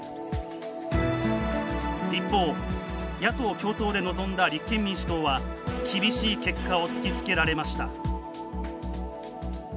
一方、野党共闘で臨んだ立憲民主党は厳しい結果を突きつけられました。